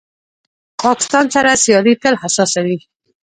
پاکستان سره سیالي تل حساسه وي.